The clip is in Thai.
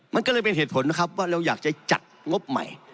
มันก็เลยเป็นเหตุผลนะครับว่าเราอยากจะจัดงบใหม่